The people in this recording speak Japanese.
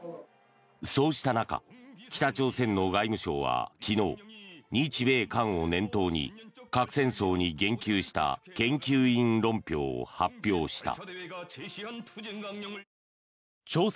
そうした中北朝鮮の外務省は昨日日米韓を念頭に核戦争に言及した研究員論評を発表した。